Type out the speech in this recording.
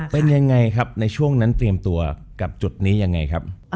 เป็นยังไงครับในช่วงนั้นเตรียมตัวกับจุดนี้ยังไงครับ